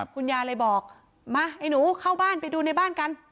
คุณยายเลยบอกมาไอ้หนูเข้าบ้านไปดูในบ้านกัน